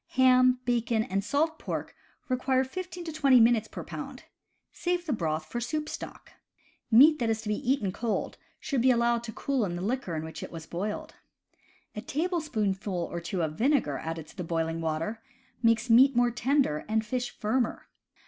Ham, bacon, and salt pork require fifteen to twenty minutes per pound. Save the broth for soup stock. Meat that is to be eaten cold should be allowed to cool in the liquor in which it was boiled. A tablespoonful or two of vinegar added to the boiling water makes meat more tender and fish firmer.